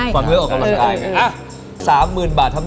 พี่เอ็กซรึหรอครับ